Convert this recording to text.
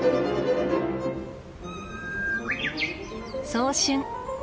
早春。